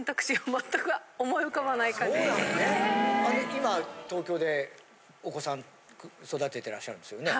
今東京でお子さん育ててらっしゃるんですよね？